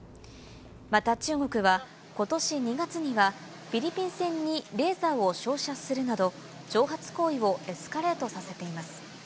また中国は、ことし２月にはフィリピン船にレーザーを照射するなど、挑発行為をエスカレートさせています。